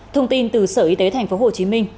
thông tin từ sở y tế tp hcm